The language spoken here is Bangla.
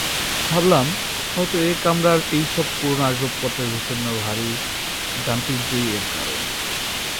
ভাবলাম, হয়তো এ কামরার এইসব পুরনো আসবাবপত্রের বিষন্ন ভারি গান্তীর্যই এর কারণ।